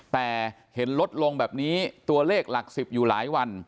แต่เห็นลดลงแบบนี้ตัวเลขหลัก๑๐อยู่หลายวัน